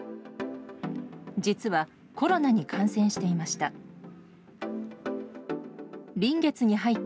実は、コロナに感染していました。